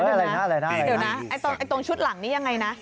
ตรงชุดหลังนี่ยังไงนะ